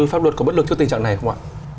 pháp luật có bất lực trước tình trạng này không ạ